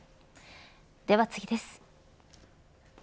では次です。